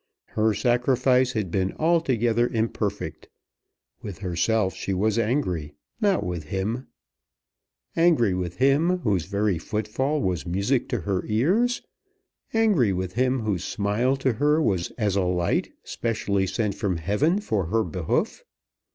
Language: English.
Her sacrifice had been altogether imperfect. With herself she was angry, not with him. Angry with him, whose very footfall was music to her ears! Angry with him, whose smile to her was as a light specially sent from heaven for her behoof!